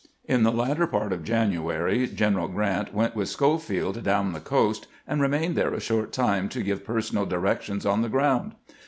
In the latter part of January, G eneral G rant went with Schofield down the coast, and remained there a short time to give personal directions on the ground.